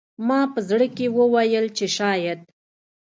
ما په زړه کې وویل چې شاید